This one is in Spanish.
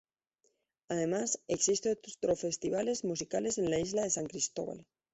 Además, existen otros festivales musicales en la isla de San Cristóbal.